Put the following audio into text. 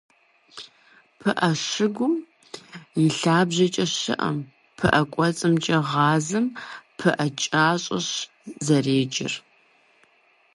ПыӀэ щыгум и лъабжьэкӀэ щыӀэм, пыӀэ кӀуэцӀымкӀэ гъэзам, пыӏэ кӏащӏэщ зэреджэр.